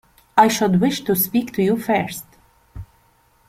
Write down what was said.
I should wish to speak to you first.